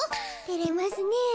てれますねえ。